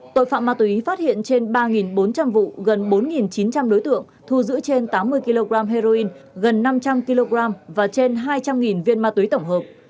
tội phạm ma túy phát hiện trên ba bốn trăm linh vụ gần bốn chín trăm linh đối tượng thu giữ trên tám mươi kg heroin gần năm trăm linh kg và trên hai trăm linh viên ma túy tổng hợp